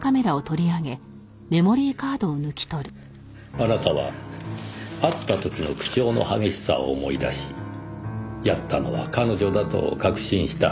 あなたは会った時の口調の激しさを思い出しやったのは彼女だと確信した。